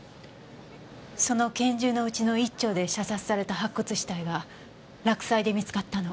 その拳銃のうちの１丁で射殺された白骨死体が洛西で見つかったの。